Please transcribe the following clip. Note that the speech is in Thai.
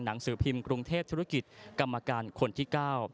หนังสือพิมพ์กรุงเทพธุรกิจกรรมการคนที่๙